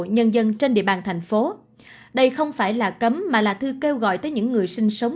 nhân dân trên địa bàn thành phố đây không phải là cấm mà là thư kêu gọi tới những người sinh sống